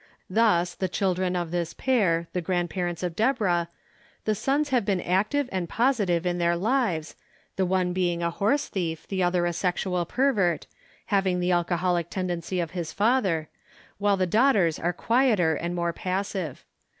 Thus, of the children of this pair, the grandparents of Deborah, the sons have been active and positive in their lives, the one being a horse thief, the other a sexual pervert, having the alcoholic tendency of his father, while the daughters are quieter and more passive.